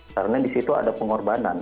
karena di situ ada pengorbanan